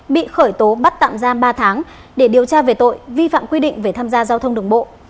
bị khởi tố bắt tạm giam ba tháng để điều tra về tội vi phạm quy định về tham gia giao thông đường bộ